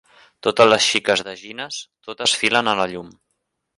Totes les xiques de Gines, totes filen a la llum.